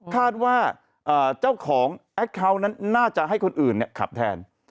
คาดว่าเจ้าของแอคเคาน์นั้นน่าจะให้คนอื่นขับแทน